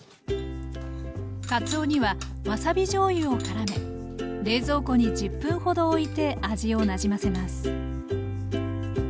かつおにはわさびじょうゆをからめ冷蔵庫に１０分ほどおいて味をなじませます